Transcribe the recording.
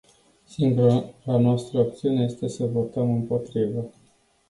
Singura noastră opțiune este să votăm împotrivă.